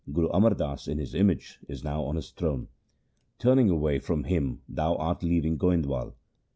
Guru Amar Das in his image is now on his throne. Turning away from him thou art leaving Goindwal.